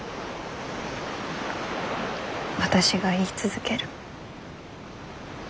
私が言い続ける。